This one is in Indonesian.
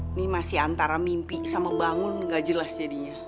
ini masih antara mimpi sama bangun gak jelas jadinya